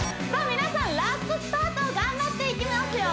皆さんラストスパート頑張っていきますよ